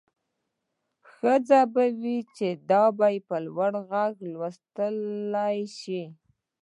ښه به وي چې دا په لوړ غږ ولوستل شي